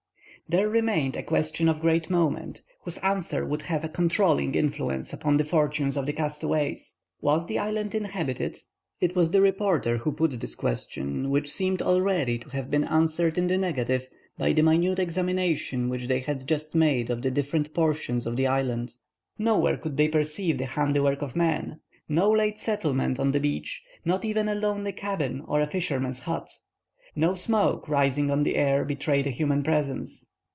There remained a question of great moment, whose answer would have a controlling influence upon the fortunes of the castaways. Was the island inhabited? It was the reporter who put this question, which seemed already to have been answered in the negative by the minute examination which they had just made of the different portions of the island. Nowhere could they perceive the handiwork of man; no late settlement on the beach, not even a lonely cabin or a fisherman's hut. No smoke, rising on the air, betrayed a human presence.